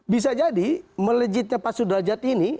bisa jadi melejitnya pak sudrajat ini